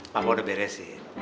papa udah beresin